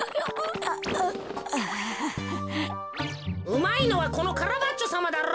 うまいのはこのカラバッチョさまだろ！